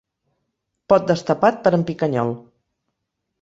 Pot destapat per en Picanyol.